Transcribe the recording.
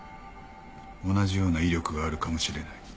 同じような威力があるかもしれない。